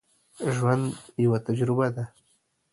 ژوند یوه تجربه ده